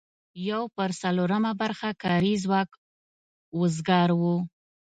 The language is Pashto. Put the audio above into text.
یو پر څلورمه برخه کاري ځواک وزګار و.